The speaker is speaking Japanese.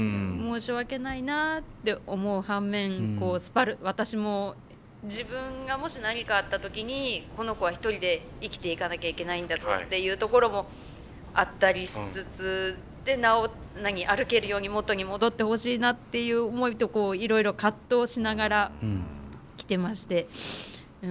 申し訳ないなって思う反面私も自分がもし何かあった時にこの子は１人で生きていかなきゃいけないんだぞっていうところもあったりしつつで歩けるように元に戻ってほしいなっていう思いといろいろ葛藤しながらきてまして。